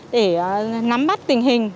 để nắm bắt tình hình